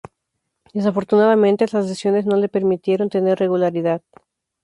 Desafortunadamente, las lesiones no le permitieron tener regularidad.